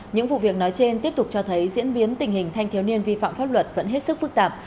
những vụ việc nói trên tiếp tục cho thấy diễn biến tình hình thanh thiếu niên vi phạm pháp luật vẫn hết sức phức tạp